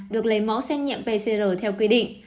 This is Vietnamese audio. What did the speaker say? được lấy mẫu xét nhiệm pcr theo quy định